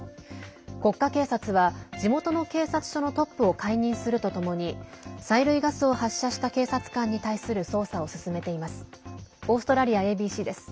国家警察は、地元の警察署のトップを解任するとともに催涙ガスを発射した警察官に対する捜査を進めています。